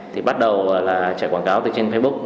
thì bắt đầu là chạy quảng cáo từ trên facebook